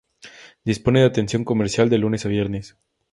Dispone de atención comercial de lunes a viernes.